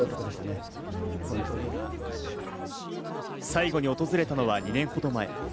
最後に訪れたのは２年ほど前。